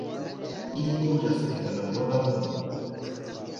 Ili loĝas en la Malnova Mondo.